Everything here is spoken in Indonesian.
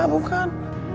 mas yang ini bukan